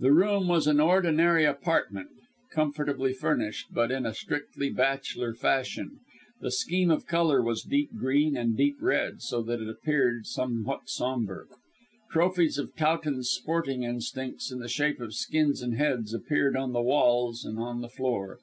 The room was an ordinary apartment, comfortably furnished, but in a strictly bachelor fashion. The scheme of colour was deep green and deep red, so that it appeared somewhat sombre. Trophies of Towton's sporting instincts in the shape of skins and heads appeared on the walls and on the floor.